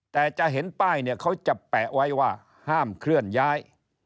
แต่จะเห็นป้ายเนี่ยเขาจะแปะไว้ว่าห้ามเคลื่อนย้าย